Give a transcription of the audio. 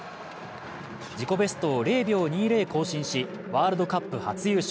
自己ベストを０秒２０更新し、ワールドカップ初優勝。